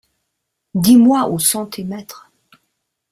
Dis-moi, où sont tes maîtres ?